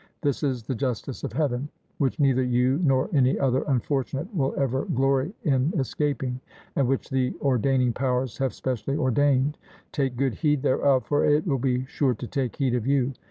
This is the justice of heaven, which neither you nor any other unfortunate will ever glory in escaping, and which the ordaining powers have specially ordained; take good heed thereof, for it will be sure to take heed of you.